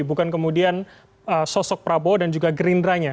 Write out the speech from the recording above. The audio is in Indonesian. bukan kemudian sosok prabowo dan juga gerindranya